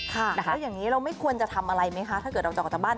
แล้วอย่างนี้เราไม่ควรจะทำอะไรไหมคะถ้าเกิดเราจะออกจากบ้าน